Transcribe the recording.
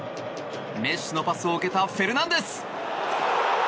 メッシのパスを受けたフェルナンデス。